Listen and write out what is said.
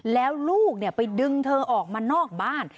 แล้วลูกไปดึงเธอออกมานอกบ้าน